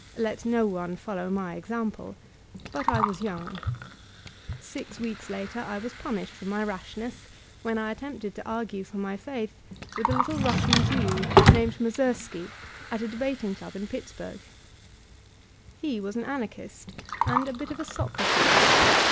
Let no one follow my example ; but I was young. Six weeks later I was punished for my rashness, when I attempted to argue for my faith with a little Russian Jew, named Mozersky, at a debating club in Pittsburgh. He was an Anarchist, and a bit of a Socrates.